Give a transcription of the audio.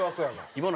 今の。